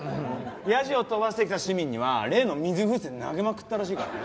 やじを飛ばしてきた市民には例の水風船投げまくったらしいからね。